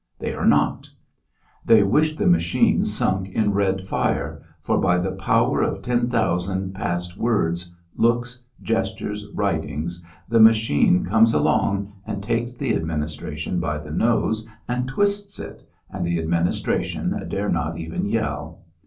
They are not; they wish the Machine sunk in red fire, for by the power of ten thousand past words, looks, gestures, writings, the Machine comes along and takes the Administration by the nose and twists it, and the Administration dare not even yell.